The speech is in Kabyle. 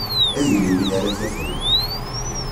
Ad yili win ara t-ixedmen.